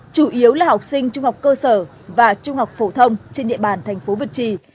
chủ yếu là học sinh trung học cơ sở và trung học phổ thông trên địa bàn thành phố việt trì